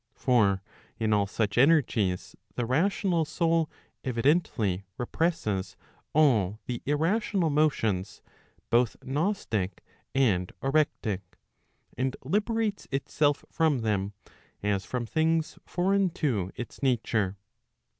For in all such energies the rational soul evidently represses all the irrational motions both gnostic and orectic, and liberates itself from them, as from things foreign to its nature.